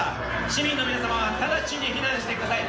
市民の皆様は直ちに避難してください。